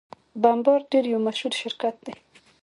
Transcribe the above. بمبارډیر یو مشهور شرکت دی.